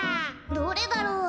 どれだろう。